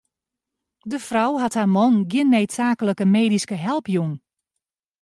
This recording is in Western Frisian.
De frou hat har man gjin needsaaklike medyske help jûn.